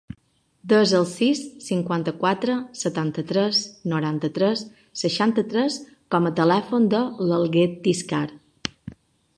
Desa el sis, cinquanta-quatre, setanta-tres, noranta-tres, seixanta-tres com a telèfon de l'Alguer Tiscar.